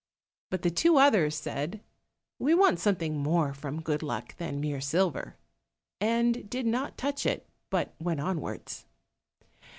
But the two others said, "We want something more from good luck than mere silver," and did not touch it, but went onwards.